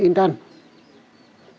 chỉ còn gia đình tôi có thôi